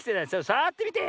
さわってみて。